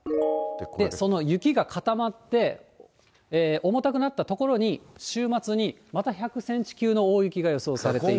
その雪が固まって、重たくなったところに、週末にまた１００センチ級の大雪が予想されている。